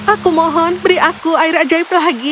aku mohon beri aku air ajaib lagi